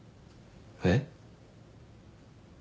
えっ？